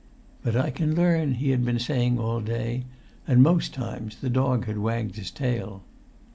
"But I can learn," he had been saying all day; and most times the dog had wagged his tail.